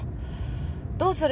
どうする？